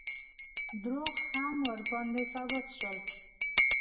دروغ هم ورباندې ثابت شول.